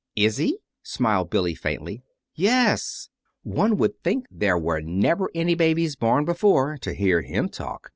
"Is he?" smiled Billy, faintly. "Yes. One would think there were never any babies born before, to hear him talk.